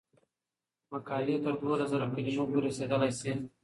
مقالې تر دولس زره کلمو پورې رسیدلی شي.